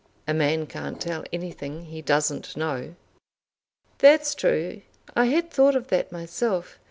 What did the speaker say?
"A man can't tell anything he doesn't know." "That's true. I had thought of that myself.